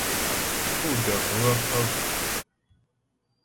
Pú də́ bhə phə́ bvʉ̀khʉm.